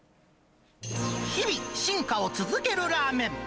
日々進化を続けるラーメン。